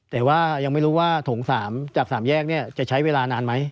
แต่ว่ายังไม่รู้ว่าโถง๓จาก๓แยกจะใช้เวลานานไหม